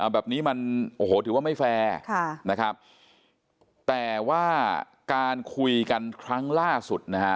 แบบนี้มันโอ้โหถือว่าไม่แฟร์นะครับแต่ว่าการคุยกันครั้งล่าสุดนะฮะ